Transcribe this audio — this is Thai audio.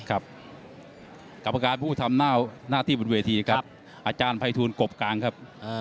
กรรมการผู้ทำหน้าที่บนเวทีครับอาจารย์ภัยทูลกบกลางครับ